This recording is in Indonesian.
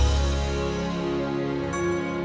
sampai jumpa lagi